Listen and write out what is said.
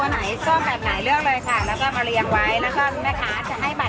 ได้บัตรคิวมาแล้วก็มารอละค่ะ